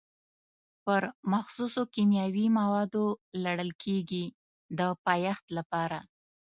پر مخصوصو کیمیاوي موادو لړل کېږي د پایښت لپاره.